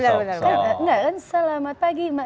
nggak kan selamat pagi mak